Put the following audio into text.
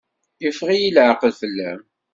Yeffeɣ-iyi leɛqel fell-am.